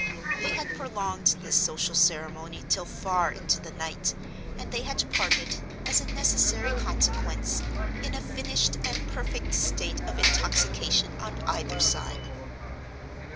They had prolonged this social ceremony till far into the night, and they had parted, as a necessary consequence, in a finished and perfect state of intoxication on either side.